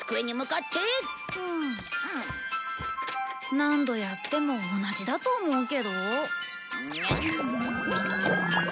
何度やっても同じだと思うけど。